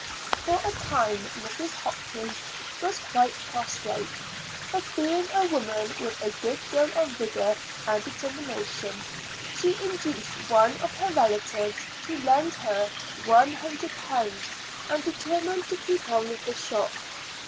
For a time Mrs. Hopkins was quite prostrate, but being a woman with a good deal of vigor and determination, she induced one of her relatives to lend her one hundred pounds, and determined to keep on with the shop.